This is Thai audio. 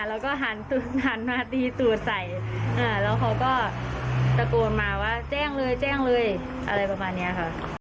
แล้วก็หันมาตีตัวใส่แล้วเขาก็ตะโกนมาว่าแจ้งเลยแจ้งเลยอะไรประมาณนี้ค่ะ